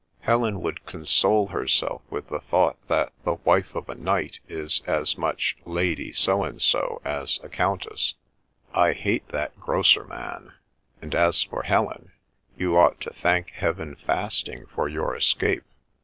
Helen would console herself with the thought that the wife of a knight is as much ' Lady So and So ' as a countess. I hate that grocerman, and as for Helen, you ought to thank heaven fasting for your escape."